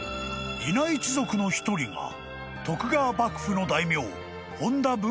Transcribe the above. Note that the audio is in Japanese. ［伊奈一族の一人が徳川幕府の大名本多豊